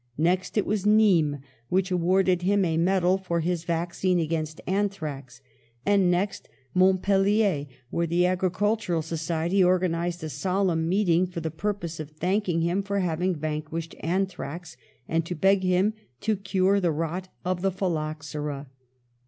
Next it was Nimes which awarded him a medal for his vaccine against anthrax ; and next Montpellier, where the Agri cultural Society organised a solemn meeting for the purpose of thanking him for having van quished anthrax, and to beg him to cure the rot and the phylloxera.